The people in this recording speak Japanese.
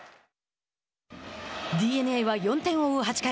ＤｅＮＡは４点を追う８回。